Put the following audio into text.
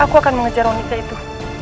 aku akan mengejar wanita itu